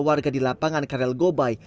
warga di lapangan karel gobai